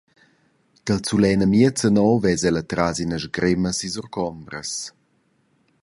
Dil zuler enamiez anora vesa el atras ina sgrema si surcombras.